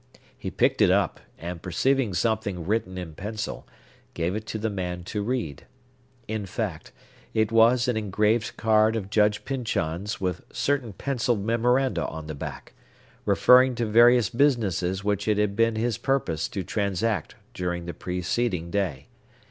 He picked it up, and perceiving something written in pencil, gave it to the man to read. In fact, it was an engraved card of Judge Pyncheon's with certain pencilled memoranda on the back, referring to various businesses which it had been his purpose to transact during the preceding day.